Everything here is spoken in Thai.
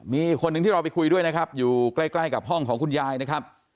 มีอีกคนนึงที่เราไปคุยด้วยนะครับอยู่ใกล้ใกล้กับห้องของคุณยายนะครับ